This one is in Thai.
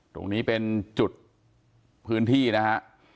ตรงนี้เป็นจุดพื้นที่นะฮะ